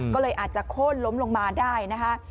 ก็เลยอาจจะโค้นล้มลงมาได้นะคะ